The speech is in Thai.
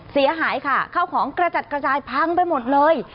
เสียหายค่ะข้าวของกระจัดกระจายพังไปหมดเลย